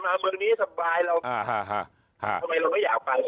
เมืองนี้สบายเราทำไมเราไม่อยากไป